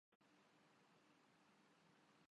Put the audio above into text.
اعلی طبقے کی نمائندگی کی ہے